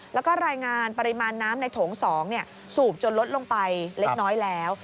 แล้วก็รายงานปริมาณน้ำในโถง๒สูบจนลดลงไปเล็กน้อยแล้ว